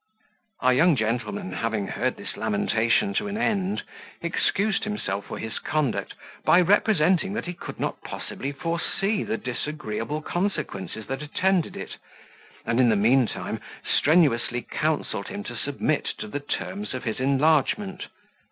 Our young gentleman, having heard this lamentation to an end, excused himself for his conduct by representing that he could not possibly foresee the disagreeable consequences that attended it; and in the mean time strenuously counselled him to submit to the terms of his enlargement.